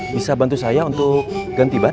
bisa bantu saya untuk ganti ban